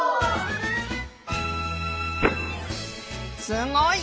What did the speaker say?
すごい！